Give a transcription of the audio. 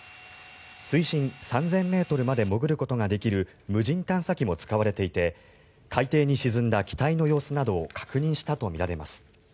水深３０００ｍまで潜ることができる無人探査機も使われていて海底に沈んだ機体の様子などを確認したとみられます。